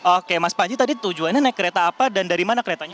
oke mas panji tadi tujuannya naik kereta apa dan dari mana keretanya